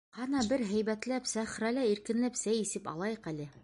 Ҡана, бер һәйбәтләп, сәхрәлә иркенләп сәй эсеп алайыҡ әле.